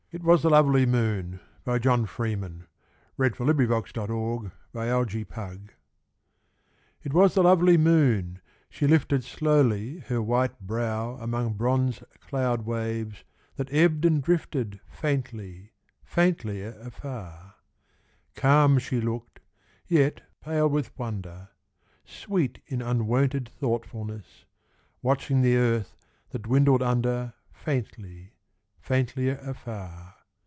And from the wood The hoot came ghostly of the owl. IT WAS THE LOVELY MOON It was the lovely moon she lifted Slowly her white brow among Bronze cloud waves that ebbed and drifted Faintly, faintlier afar. Calm she looked, yet pale with wonder, Sweet in unwonted thoughtfulness, Watching the earth that dwindled under Faintly, faintlier afar.